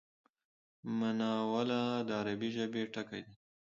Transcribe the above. مناوله د عربي ژبی ټکی دﺉ.